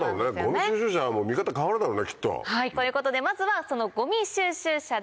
ごみ収集車見方変わるだろうねきっと。ということでまずはそのごみ収集車です。